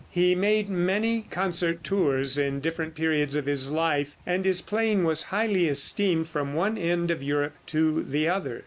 He made many concert tours in different periods of his life, and his playing was highly esteemed from one end of Europe to the other.